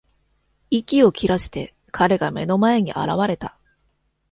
息を切らして、彼が目の前に現れた。